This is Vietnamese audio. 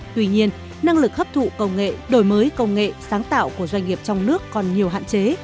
tuy nhiên năng lực hấp thụ công nghệ đổi mới công nghệ sáng tạo của doanh nghiệp trong nước còn nhiều hạn chế